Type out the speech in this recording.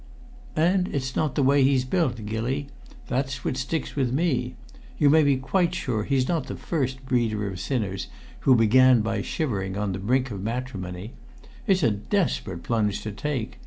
"And it's not the way he's built, Gilly! That's what sticks with me. You may be quite sure he's not the first breeder of sinners who began by shivering on the brink of matrimony. It's a desperate plunge to take.